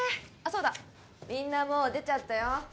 そうだみんなもう出ちゃったよ